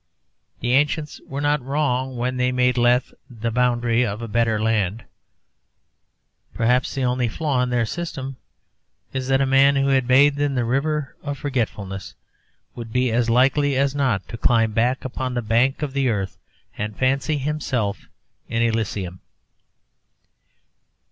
The ancients were not wrong when they made Lethe the boundary of a better land; perhaps the only flaw in their system is that a man who had bathed in the river of forgetfulness would be as likely as not to climb back upon the bank of the earth and fancy himself in Elysium.